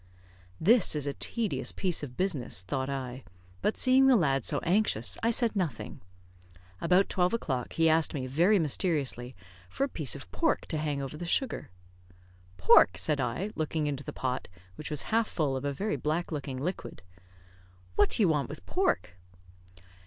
"This is a tedious piece of business," thought I, but seeing the lad so anxious, I said nothing. About twelve o'clock he asked me, very mysteriously, for a piece of pork to hang over the sugar. "Pork!" said I, looking into the pot, which was half full of a very black looking liquid; "what do you want with pork?"